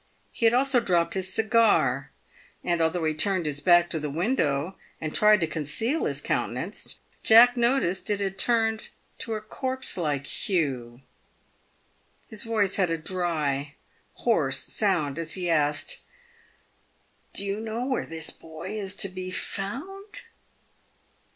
He had also dropt his cigar, and, although he turned his back to the window, and tried to conceal his countenance, Jack PAVED WITH GOLD. 343 noticed it had turned to a corpse like hue. His voice had a dry, hoarse sound as he asked :" Do you know where this boy is to be found?"